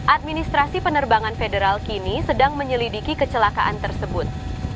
administrasi penerbangan federal kini sedang menyelidiki kecelakaan tersebut